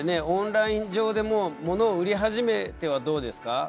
オンライン上でモノを売り始めてはどうですか？